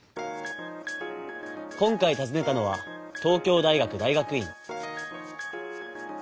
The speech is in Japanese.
今回たずねたのは東京大学大学院。